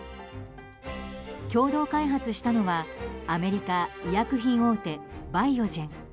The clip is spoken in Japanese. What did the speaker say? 共同開発したのはアメリカ医薬品大手バイオジェン。